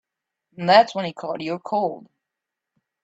That's when he caught your cold.